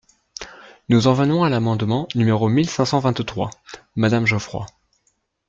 Nous en venons à l’amendement numéro mille cinq cent vingt-trois, madame Geoffroy.